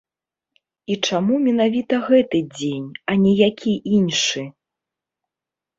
І чаму менавіта гэты дзень, а не які іншы?